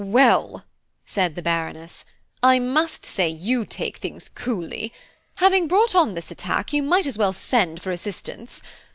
"Well," said the Baroness, "I must say you take things coolly. Having brought on this attack, you might as well send for assistance.